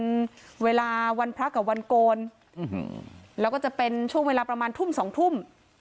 เป็นเวลาวันพระกับวันโกนแล้วก็จะเป็นช่วงเวลาประมาณทุ่มสองทุ่ม